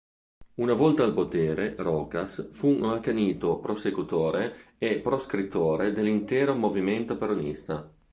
Una volta al potere Rojas fu un accanito prosecutore e proscrittore dell'intero movimento peronista.